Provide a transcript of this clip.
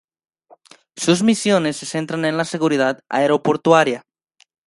Sus misiones se centran en la seguridad aeroportuaria.